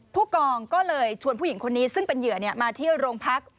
ผู้กองก็เลยชวนผู้หญิงคนนี้ซึ่งเป็นเหยื่อมาเที่ยวโรงพัก